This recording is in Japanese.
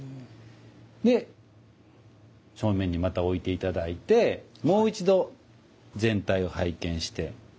で正面にまた置いて頂いてもう一度全体を拝見して。